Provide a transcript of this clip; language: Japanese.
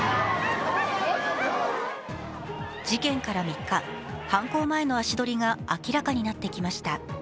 事件から３日、犯行前の足取りが明らかになってきました。